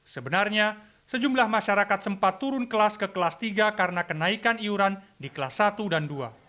sebenarnya sejumlah masyarakat sempat turun kelas ke kelas tiga karena kenaikan iuran di kelas satu dan dua